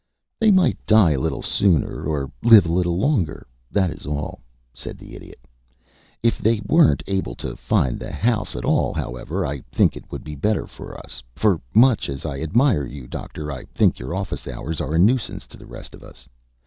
"They might die a little sooner or live a little longer, that is all," said the Idiot. "If they weren't able to find the house at all, however, I think it would be better for us, for much as I admire you, Doctor, I think your office hours are a nuisance to the rest of us.